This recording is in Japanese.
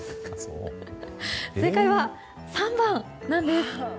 正解は、３番なんです。